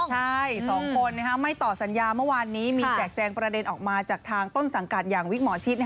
ใช่๒คนไม่ต่อสัญญาเมื่อวานนี้มีแจกแจงประเด็นออกมาจากทางต้นสังกัดอย่างวิกหมอชิด